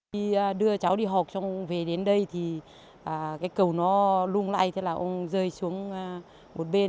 đi đưa cháu đi học xong về đến đây thì cái cầu nó lung lay thế là ông rơi xuống một bên